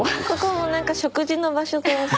ここもうなんか食事の場所と。